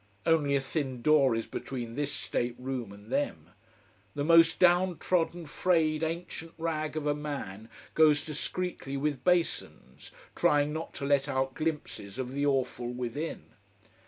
Only a thin door is between this state room and them. The most down trodden frayed ancient rag of a man goes discreetly with basins, trying not to let out glimpses of the awful within.